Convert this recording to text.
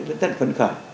rất phấn khởi